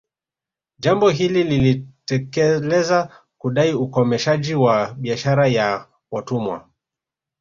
Jambo hili lilitekeleza kudai ukomeshaji wa biashara ya watumwa